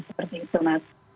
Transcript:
seperti itu mas